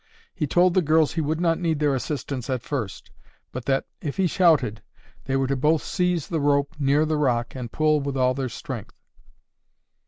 He told the girls he would not need their assistance at first, but that, if he shouted, they were to both seize the rope near the rock and pull with all their strength.